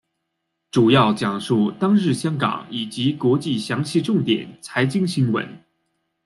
主要讲述当日香港以及国际详细重点财经新闻。